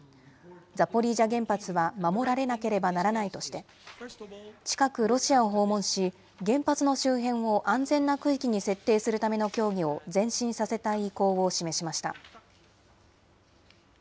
ザポリージャ原発は守られなければならないとして、近くロシアを訪問し、原発の周辺を安全な区域に設定するための協議を前進させたい意向を示しました。